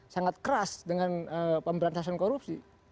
sangat keras dengan pemberantasan korupsi